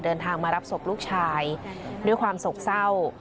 เดินทางมารับศพลูกชายด้วยความโศกเศร้า